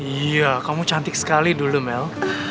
iya kamu cantik sekali dulu mel